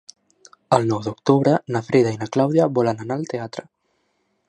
El nou d'octubre na Frida i na Clàudia volen anar al teatre.